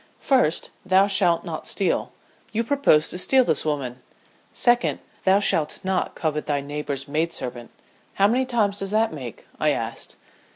"First, thou shalt not steal. You propose to steal this woman. Second, thou shalt not covet thy neighbor's maid servant. How many times does that make?" I asked.